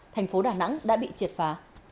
thành phố đà nẵng đã bị triệt phá